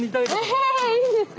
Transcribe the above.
えいいんですか？